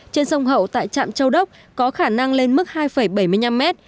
trên sông hậu tại trạm châu đốc có khả năng lên mức hai bảy mươi năm mét